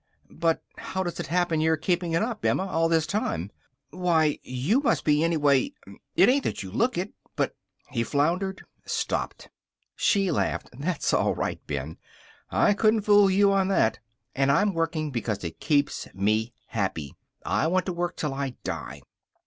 "But how does it happen you're keepin' it up, Emma, all this time? Why, you must be anyway it ain't that you look it but " He floundered, stopped. She laughed. "That's all right, Ben. I couldn't fool you on that. And I'm working because it keeps me happy. I want to work till I die.